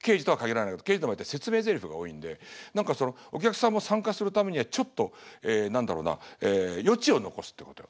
刑事とは限らないけど刑事の場合って説明ゼリフが多いんで何かお客さんも参加するためにはちょっと何だろうな余地を残すってことよ。